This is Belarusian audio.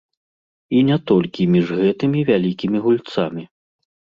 І не толькі між гэтымі вялікімі гульцамі.